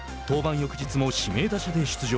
翌日も指名打者で出場。